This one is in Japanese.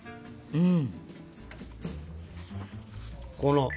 うん。